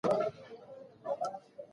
د ده په کلام کې د ساده عشق نښې شته.